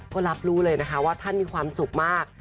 ก็รับรู้เลยนะคะว่าท่านมีความสุขมาก